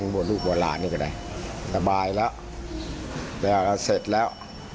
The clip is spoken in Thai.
บวชลูกหลานก็ได้สบายแล้วแล้วเสร็จแล้ว